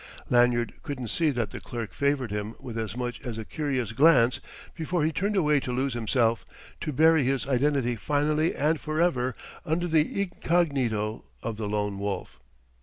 Lanyard couldn't see that the clerk favoured him with as much as a curious glance before he turned away to lose himself, to bury his identity finally and forever under the incognito of the Lone Wolf.